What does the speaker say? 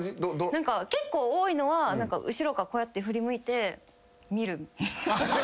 結構多いのは後ろからこうやって振り向いて見る。